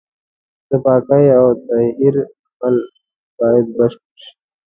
د پاکۍ او تطهير عمل بايد بشپړ شي.